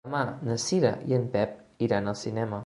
Demà na Cira i en Pep iran al cinema.